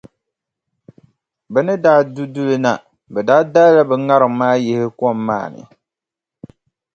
Bɛ ni daa du duli na, bɛ daa daala ŋariŋ maa yihi kom maa ni.